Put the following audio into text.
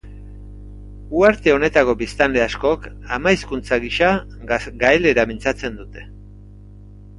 Uharte honetako biztanle askok ama hizkuntza gisa gaelera mintzatzen dute.